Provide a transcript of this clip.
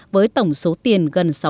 với tổng số tiền